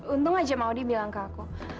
untung aja maudie bilang ke aku